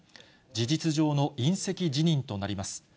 事実上の引責辞任となります。